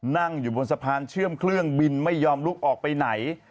นั่งอยู่บนสะพานเชื่อมเครื่องบินไม่ยอมลุกออกไปไหน